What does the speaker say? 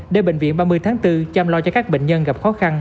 để bệnh viện ba mươi tháng bốn chăm lo cho các bệnh nhân gặp khó khăn